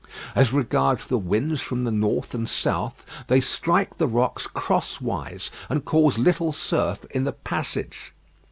As regards the winds from the north and south, they strike the rocks crosswise, and cause little surf in the passage.